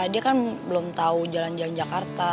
dia kan belum tahu jalan jalan jakarta